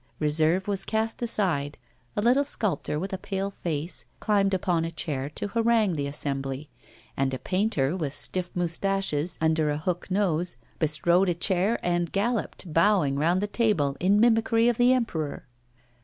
Reserve was cast aside; a little sculptor with a pale face climbed upon a chair to harangue the assembly, and a painter, with stiff moustaches under a hook nose, bestrode a chair and galloped, bowing, round the table, in mimicry of the Emperor.